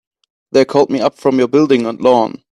They called me up from your Building and Loan.